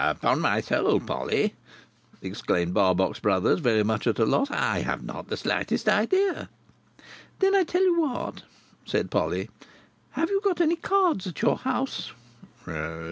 "Upon my soul, Polly," exclaimed Barbox Brothers, very much at a loss, "I have not the slightest idea!" "Then I tell you what," said Polly. "Have you got any cards at your house?"